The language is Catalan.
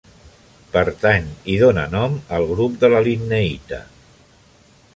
Pertany i dóna nom al grup de la linneïta.